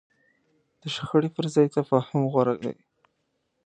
د شخړې پر ځای تفاهم غوره دی.